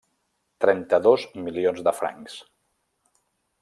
Trenta-dos milions de francs.